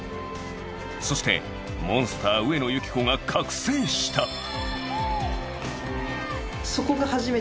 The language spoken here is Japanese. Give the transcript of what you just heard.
そして、モンスター上野由岐子が覚醒した。